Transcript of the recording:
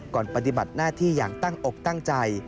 ปฏิบัติหน้าที่อย่างตั้งอกตั้งใจ